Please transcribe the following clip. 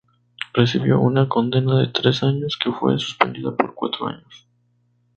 Recibió una condena de tres años, que fue suspendida por cuatro años.